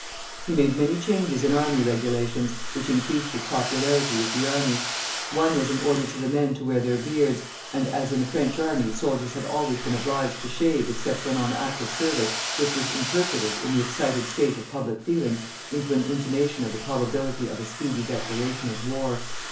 He made many changes in army regulations, which increased his popularity with the army. One was all order to the men to wear their beards, and as in the French army soldiers had always been obliged to shave except when on active service, this was interpreted, in the excited state of public feeling, into an intimation of the probability of a speedy declaration of war.